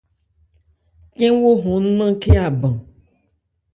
Cɛn-wo hɔn nn án khɛ́n a ban.